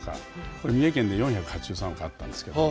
これ三重県で４８３億あったんですけど